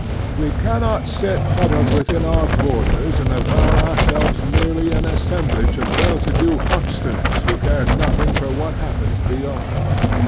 \ We cannot sit huddled within our own borders and avow ourselves merely an assemblage of well to do hucksters who care nothing for what happens beyond.